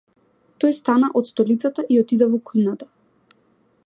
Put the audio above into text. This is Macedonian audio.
Тој стана од столицата и отиде во кујната.